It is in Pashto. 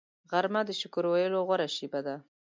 غرمه د شکر ویلو غوره شیبه ده